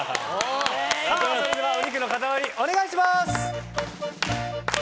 それではお肉の塊お願いします！